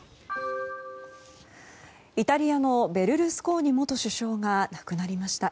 イタリアのベルルスコーニ元首相が亡くなりました。